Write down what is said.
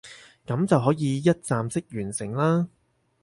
噉就可以一站式完成啦